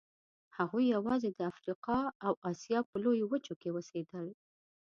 هغوی یواځې د افریقا او اسیا په لویو وچو کې اوسېدل.